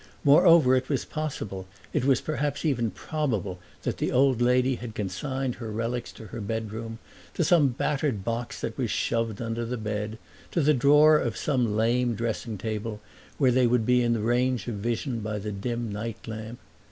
Moreover it was possible, it was perhaps even probable that the old lady had consigned her relics to her bedroom, to some battered box that was shoved under the bed, to the drawer of some lame dressing table, where they would be in the range of vision by the dim night lamp.